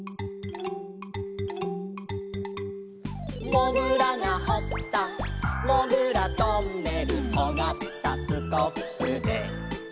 「もぐらがほったもぐらトンネル」「とがったスコップで」